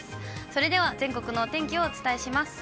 それでは全国のお天気をお伝えします。